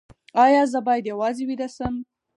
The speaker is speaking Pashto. ایا زه باید یوازې ویده شم؟